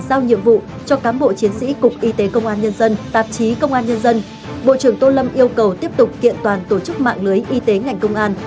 giao nhiệm vụ cho cám bộ chiến sĩ cục y tế công an nhân dân tạp chí công an nhân dân bộ trưởng tô lâm yêu cầu tiếp tục kiện toàn tổ chức mạng lưới y tế ngành công an